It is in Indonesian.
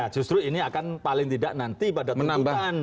bahkan paling tidak nanti pada tuntukan